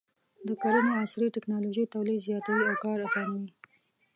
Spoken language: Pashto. د کرنې عصري ټکنالوژي تولید زیاتوي او کار اسانوي.